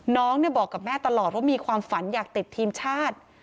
น้องบอกกับแม่ตลอดว่ามีความฝันอยากติดทีมชาติ